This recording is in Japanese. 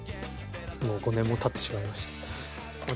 「もう５年も経ってしまいました」。